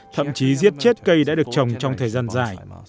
thậm chí giết chết cây đã được trồng trong thời gian dài